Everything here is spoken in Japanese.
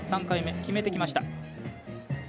３回目、決めてきました。